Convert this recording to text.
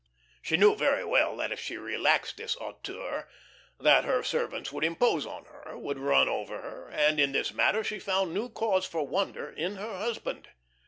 She knew very well that if she relaxed this hauteur, that her servants would impose on her, would run over her, and in this matter she found new cause for wonder in her husband.